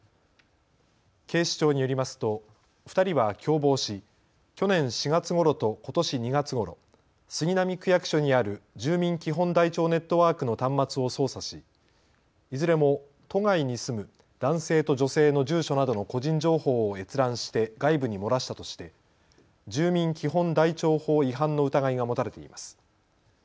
警視庁によりますと２人は共謀し去年４月ごろとことし２月ごろ、杉並区役所にある住民基本台帳ネットワークの端末を操作しいずれも都外に住む男性と女性の住所などの個人情報を閲覧して外部に漏らしたとして住民基本台帳法違反の疑いが持たれています。